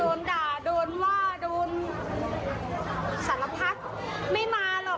คุณผู้ชมแม่น้ำหนึ่งเนี่ยระบายออกมาแบบอันอันที่สุด